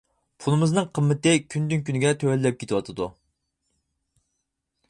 پۇلىمىزنىڭ قىممىتى كۈندىن كۈنىگە تۆۋەنلەپ كېتىۋاتىدۇ.